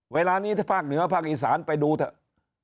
เวลานี้ถ้าภาคเหนือภาคอีสานไปดูเถอะ